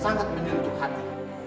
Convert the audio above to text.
sangat menyentuh hati